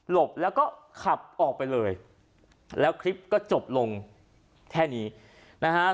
บแล้วก็ขับออกไปเลยแล้วคลิปก็จบลงแค่นี้นะฮะ